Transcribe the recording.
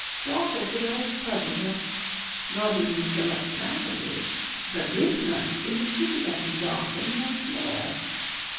Dorcas had always puzzled her not, indeed, so much latterly but this night the mystery began to darken once more.